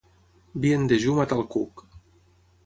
Vi en dejú mata el cuc.